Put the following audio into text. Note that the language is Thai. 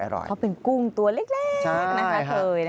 เพราะเป็นกุ้งตัวเล็กนะคะเคย